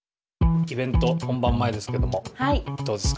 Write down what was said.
イベント本番前ですけどもどうですか？